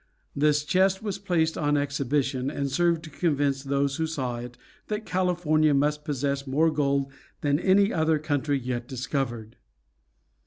This chest was placed on exhibition, and served to convince those who saw it that California must possess more gold than any other country yet discovered.